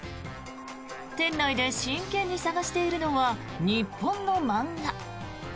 店内で真剣に探しているのは日本の漫画。